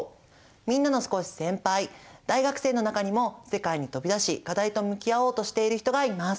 みんなの少し先輩大学生の中にも世界に飛び出し課題と向き合おうとしている人がいます。